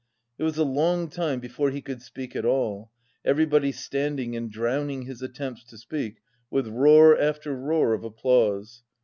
It was a long time before he could speak at all, everybody standing and drowning his attempts to speak with roar after roar of applause.